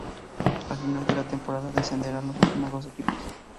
Al final de la temporada descenderán los últimos dos equipos.